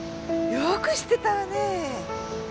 よく知ってたわね。